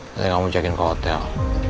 tadi kamu cek in ke hotel